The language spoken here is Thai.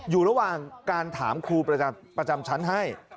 อยู่ระหว่างการถามครูประจำชั้นให้